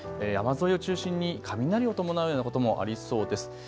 山沿いを中心に雷を伴うようなこともありそうです。